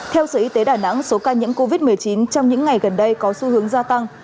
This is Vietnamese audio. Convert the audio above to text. theo sở y tế đà nẵng số ca nhiễm covid một mươi chín trong những ngày gần đây có xu hướng gia tăng